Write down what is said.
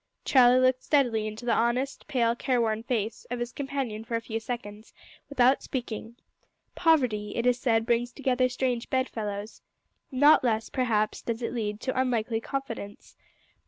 Charlie looked steadily in the honest, pale, careworn face of his companion for a few seconds without speaking. Poverty, it is said, brings together strange bed fellows. Not less, perhaps, does it lead to unlikely confidants.